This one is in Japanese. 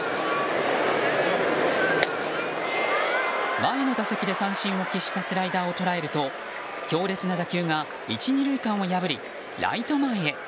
前の打席で三振を喫したスライダーを捉えると強烈な打球が１、２塁間を破りライト前へ。